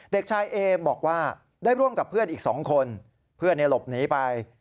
เด็กชายเอบอกว่าได้ร่วมกับเพื่อนอีก๒คนเพื่อนหลบหนีไป